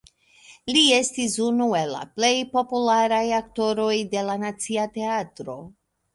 Li estis unu el la plej popularaj aktoroj de la Nacia Teatro.